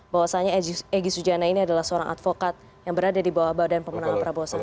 bahwasannya egy sujana ini adalah seorang advokat yang berada di bawah badan pemenangan prabowo sandi